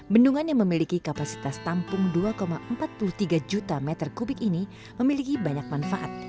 bendungan yang memiliki kapasitas tampung dua empat puluh tiga juta meter kubik ini memiliki banyak manfaat